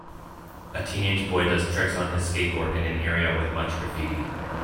A teenage boy does tricks on his skateboard in an area with much graffiti.